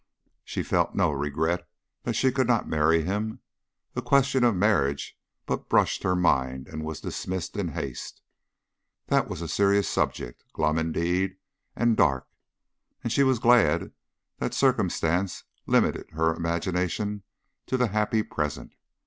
She felt no regret that she could not marry him; the question of marriage but brushed her mind and was dismissed in haste. That was a serious subject, glum indeed, and dark. She was glad that circumstance limited her imagination to the happy present.